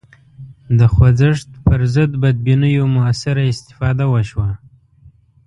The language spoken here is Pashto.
د خوځښت پر ضد بدبینیو موثره استفاده وشوه